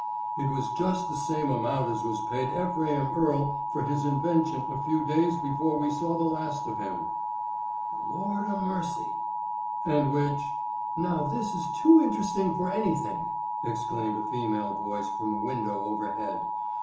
"It was just the same amount as was paid Ephraim Earle for his invention a few days before we saw the last of him." "Lord a mercy!" "And which——" "Now this is too interesting for anything," exclaimed a female voice from a window overhead.